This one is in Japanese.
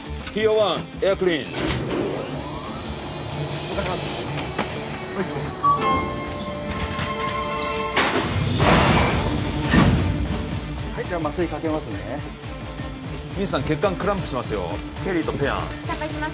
１エアクリーン動かします